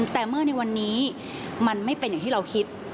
แต่เมื่อในวันนี้มันไม่เป็นอย่างที่เราคิด